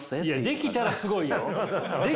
できたらすごいよ。